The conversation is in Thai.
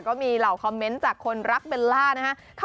ก็มีเหล่าคอมเมนต์จากคนรักเบลล่านะฮะ